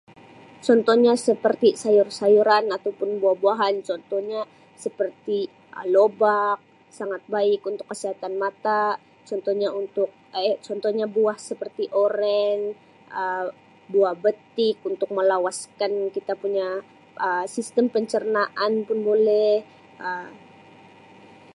Contohnya seperti sayur-sayuran atau pun buah-buahan contohnya seperti Um lobak sangat baik untuk kesihatan mata contohnya untuk Um contohnya buah seperti oren Um buah betik untuk melawaskan kita punya Um sistem pencernaan pun boleh Um.